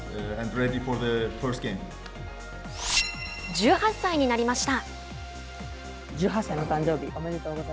１８歳になりました。